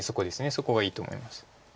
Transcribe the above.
そこがいいと思います。